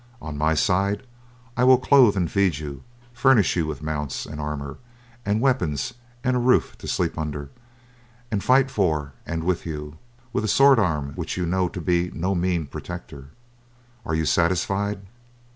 On my side, I will clothe and feed you, furnish you with mounts and armor and weapons and a roof to sleep under, and fight for and with you with a sword arm which you know to be no mean protector. Are you satisfied?"